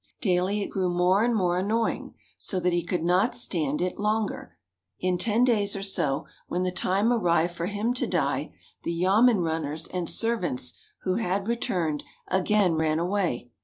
Daily it grew more and more annoying, so that he could not stand it longer. In ten days or so, when the time arrived for him to die, the yamen runners and servants, who had returned, again ran away.